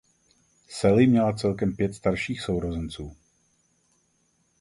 Sally měla celkem pět starších sourozenců.